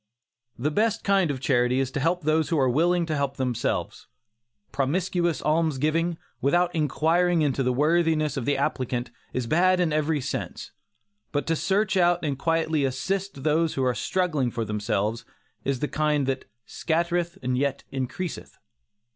The best kind of charity is to help those who are willing to help themselves. Promiscuous almsgiving, without inquiring into the worthiness of the applicant, is bad in every sense. But to search out and quietly assist those who are struggling for themselves, is the kind that "scattereth and yet increaseth."